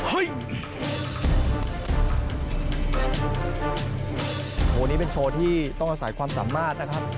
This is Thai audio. วันนี้เป็นโชว์ที่ต้องอาศัยความสามารถนะครับ